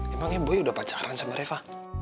emangnya bui udah pacaran sama reva